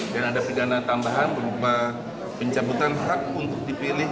dan ada penjara tambahan berupa pencabutan hak untuk dipilih